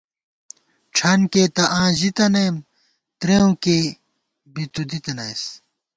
ڄھن کېئی تہ آں ژِتَنَئیم، ترېوں کېئی بی تُو دِتَنَئیس